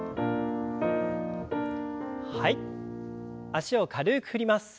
脚を軽く振ります。